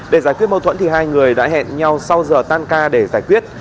để giải quyết mâu thuẫn thì hai người đã hẹn nhau sau giờ tan ca để giải quyết